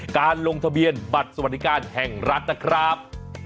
การลงทะเบียนบัตรสวัสดิการแห่งรัฐนะครับ